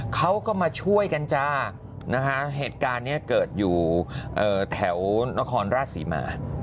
เขาก็มาช่วยกันจ้านะคะเหตุการณ์นี้เกิดอยู่แถวนครราชศรีมา